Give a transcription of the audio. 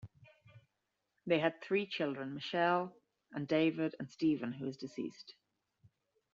They had three children, Michelle and David, and Stephen, who is deceased.